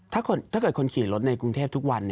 ถ้าเกิดคนขี่รถในกรุงเทพทุกวัน